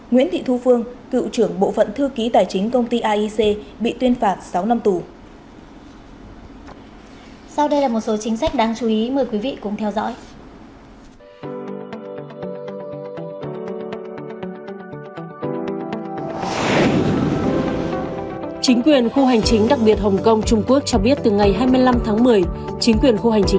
nguyễn thị thu phương cựu trưởng bộ phận thư ký tài chính công ty aic bị tuyên phạt sáu năm tù